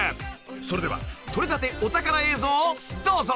［それではとれたてお宝映像をどうぞ］